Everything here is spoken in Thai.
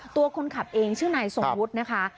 ตัวคนขับเองชื่อนายทรงวุฒินะคะ